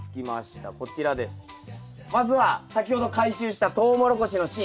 まずは先ほど回収したトウモロコシの芯。